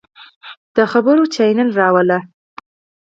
د خبرونو چاینل راواړوه!